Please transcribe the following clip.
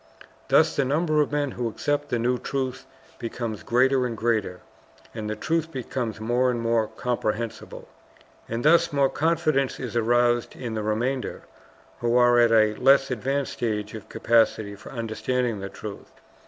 Thus the number of men who accept the new truth becomes greater and greater, and the truth becomes more and more comprehensible. And thus more confidence is aroused in the remainder, who are at a less advanced stage of capacity for understanding the truth.